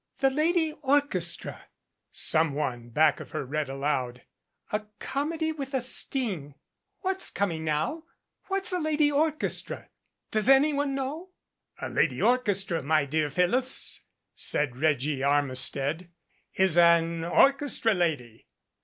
" 'The Lady Orchestra,' some one back of her read aloud. 'A Comedy with a Sting 5 What's coming now? What's a 'Lady Orchestra'? Does anyone know?" "A 'Lady Orchestra,' my dear Phyllis," said Reggie Armistead, "is an orchestra lady."